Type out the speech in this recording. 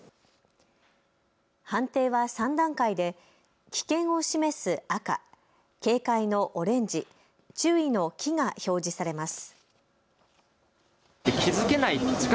判定は３段階で危険を示す赤、警戒のオレンジ、注意の黄が表示されます。